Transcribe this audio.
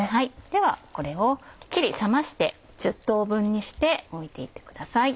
ではこれをきっちり冷まして１０等分にして置いて行ってください。